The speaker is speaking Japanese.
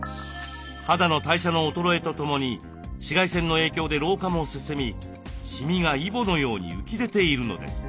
肌の代謝の衰えとともに紫外線の影響で老化も進みシミがイボのように浮き出ているのです。